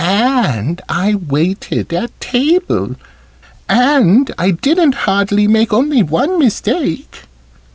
And I waited at table. And I didn't hardly make only one mistake."